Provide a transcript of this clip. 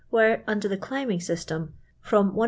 Wi*re, under the climbing system, from 1 .